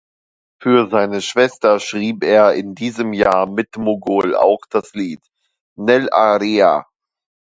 Für seine Schwester schrieb er in diesem Jahr mit Mogol auch das Lied "Nell’aria".